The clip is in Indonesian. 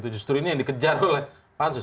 justru ini yang dikejar oleh pansus